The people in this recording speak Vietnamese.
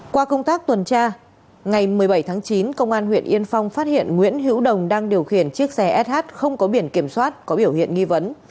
qua công tác tuần tra ngày một mươi bảy tháng chín công an huyện yên phong phát hiện nguyễn hữu đồng đang điều khiển chiếc xe sh không có biển kiểm soát có biểu hiện nghi vấn